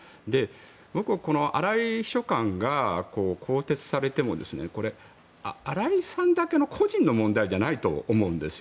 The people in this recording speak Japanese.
僕はこの荒井秘書官が更迭されても荒井さんだけの個人の問題じゃないと思うんです。